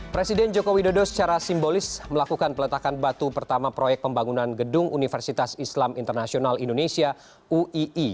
presiden joko widodo secara simbolis melakukan peletakan batu pertama proyek pembangunan gedung universitas islam internasional indonesia uii